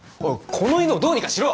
この犬をどうにかしろ！